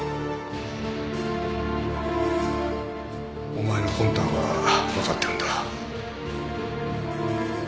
お前の魂胆は分かってるんだ